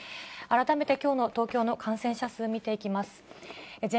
改めて、きょうの東京の感染者数見ていきます。